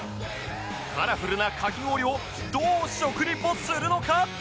カラフルなかき氷をどう食リポするのか？